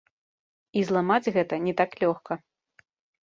І зламаць гэта не так лёгка.